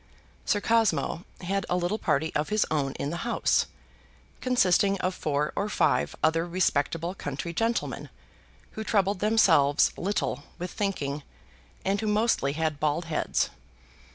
Sir Cosmo had a little party of his own in the House, consisting of four or five other respectable country gentlemen, who troubled themselves little with thinking, and who mostly had bald heads.